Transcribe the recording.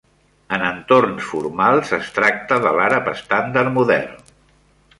En entorns formals, es tracta de l'àrab estàndard modern.